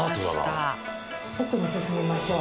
奥に進みましょう。